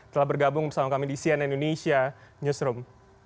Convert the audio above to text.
telah bergabung bersama kami di cnn indonesia newsroom